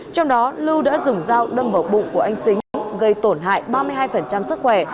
trong đó lưu đã dùng dao đâm vào bụng của anh xính gây tổn hại ba mươi hai sức khỏe